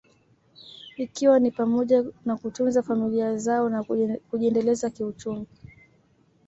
ikiwa ni pamoja na kutunza familia zao na kujiendeleza kiuchumi